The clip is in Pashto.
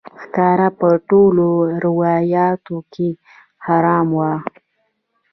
ښکار په ټولو روایاتو کې حرام وای